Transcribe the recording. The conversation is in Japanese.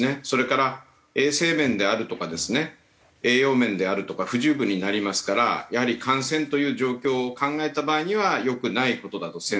それから衛生面であるとか栄養面であるとか不十分になりますからやはり感染という状況を考えた場合には良くない事だと。